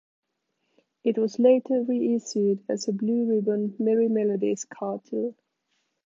It was later reissued as a Blue Ribbon Merrie Melodies cartoon.